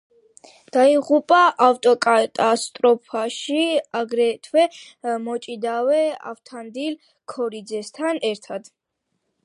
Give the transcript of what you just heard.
დაიღუპა ავტოკატასტროფაში, აგრეთვე მოჭიდავე ავთანდილ ქორიძესთან ერთად.